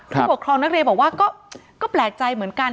ผู้ปกครองนักเรียนบอกว่าก็แปลกใจเหมือนกัน